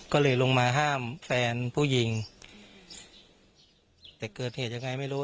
ก็เลยลงมาห้ามแฟนผู้หญิงแต่เกิดเหตุยังไงไม่รู้